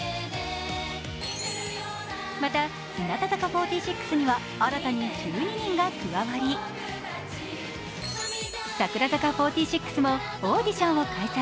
また、日向坂４６には新たに１２人が加わり櫻坂４６もオーディションを開催。